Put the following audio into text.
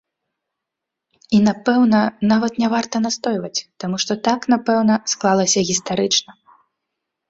І, напэўна, нават не варта настойваць, таму што так, напэўна, склалася гістарычна.